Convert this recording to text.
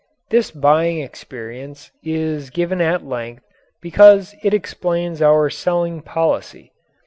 This buying experience is given at length because it explains our selling policy.